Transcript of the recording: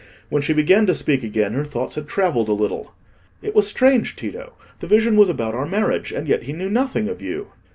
When she began to speak again, her thoughts had travelled a little. "It was strange, Tito. The vision was about our marriage, and yet he knew nothing of you."